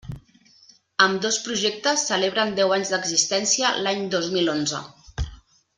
Ambdós projectes celebren deu anys d'existència l'any dos mil onze.